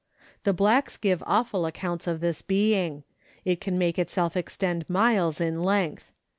The blacks give awful accounts of this being ; it can make itself extend miles in length.